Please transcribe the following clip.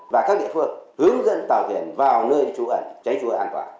và các địa phương hướng dẫn tàu thuyền vào nơi trú ẩn tránh trú ẩn an toàn